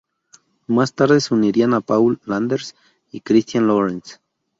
Más tarde se unirían Paul Landers y Christian Lorenz.